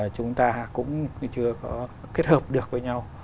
chúng ta cũng chưa có kết hợp được với nhau